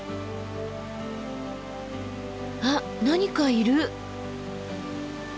あっ何かいる。